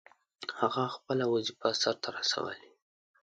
هغه خپله وظیفه سرته رسولې.